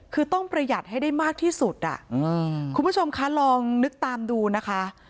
คือต้องประหยัดให้ได้มากที่สุดคุณผู้ชมคะลองนึกตามดูนะคะ